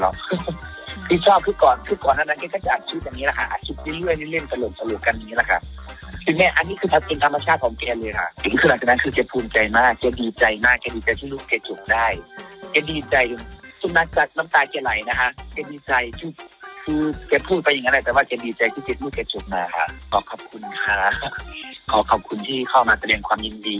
วิทยาลักษณ์ที่รักเมียเนอะ